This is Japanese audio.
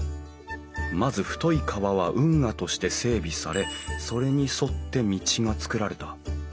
まず太い川は運河として整備されそれに沿って道が造られた。